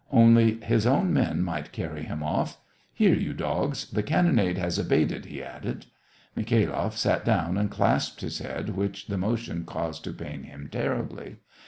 Only, his own men might carry him off. Here, you dogs ! the cannonade has abated," he added. ... Mikhailoff sat down, and clasped his head, which the motion caused to pain him terribly.